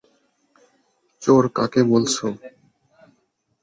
চোর কাকে বলছো?